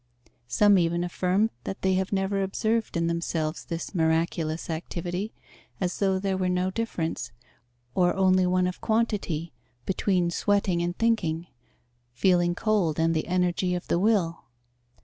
Some even affirm that they have never observed in themselves this "miraculous" activity, as though there were no difference, or only one of quantity, between sweating and thinking, feeling cold and the energy of the will.